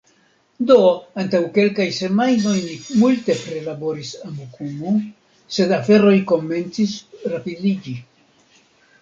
Do, antaŭ kelkaj semajnoj ni multe prilaboris Amikumu, sed aferoj komencis rapidiĝi